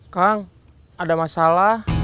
kang ada masalah